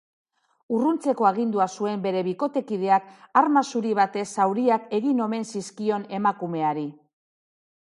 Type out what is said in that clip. Urruntzeko agindua zuen bere bikotekideak arma zuri batez zauriak egin omen zizkion emakumeari.